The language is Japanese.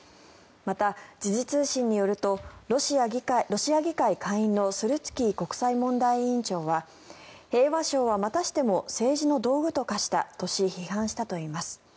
また、時事通信によるとロシア議会下院のスルツキー国際問題委員長は平和賞はまたしても政治の道具と化したとし批判したといいます。